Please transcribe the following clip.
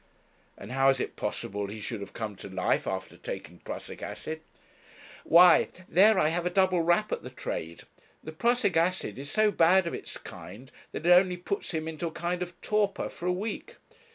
'And how is it possible he should have come to life after taking prussic acid?' 'Why, there I have a double rap at the trade. The prussic acid is so bad of its kind, that it only puts him into a kind of torpor for a week.